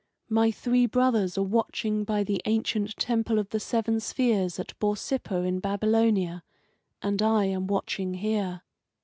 My three brothers are watching by the ancient Temple of the Seven Spheres, at Borsippa, in Babylonia, and I am watching here.